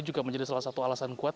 juga menjadi salah satu alasan kuat